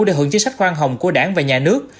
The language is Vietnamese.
để hưởng chính sách khoan hồng của đảng và nhà nước